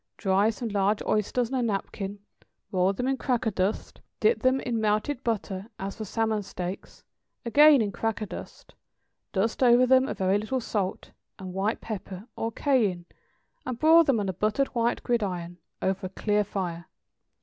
= Dry some large oysters on a napkin; roll them in cracker dust, dip them in melted butter as for salmon steaks, again in cracker dust, dust over them a very little salt and white pepper, or cayenne, and broil them on a buttered wire gridiron, over a clear fire.